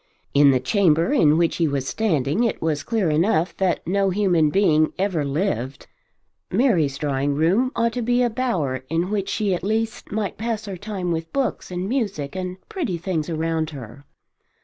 In the chamber in which he was standing it was clear enough that no human being ever lived. Mary's drawing room ought to be a bower in which she at least might pass her time with books and music and pretty things around her.